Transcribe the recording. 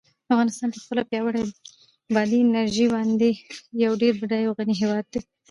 افغانستان په خپله پیاوړې بادي انرژي باندې یو ډېر بډای او غني هېواد دی.